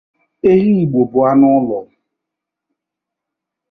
Ehi Igbo bụ anụ ụlọ